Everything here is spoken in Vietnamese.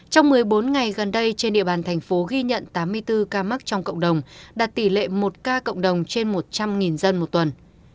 trong một mươi bốn ngày gần đây trên địa bàn thành phố ghi nhận tám mươi bốn ca mắc trong cộng đồng đạt tỷ lệ một ca cộng đồng trên một trăm linh dân một tuần